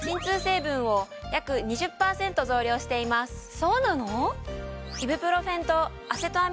そうなの？